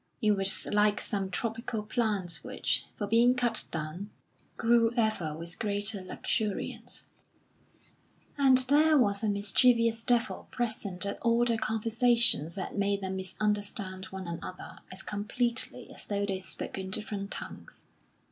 It was like some tropical plant which, for being cut down, grew ever with greater luxuriance. And there was a mischievous devil present at all their conversations that made them misunderstand one another as completely as though they spoke in different tongues.